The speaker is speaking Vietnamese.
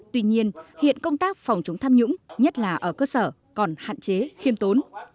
tuy nhiên hiện công tác phòng chống tham nhũng nhất là ở cơ sở còn hạn chế khiêm tốn